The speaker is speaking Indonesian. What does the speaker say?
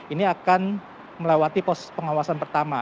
ini akan melewati pos pengawasan pertama